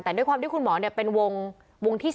แต่ด้วยความที่คุณหมอเป็นวงที่๓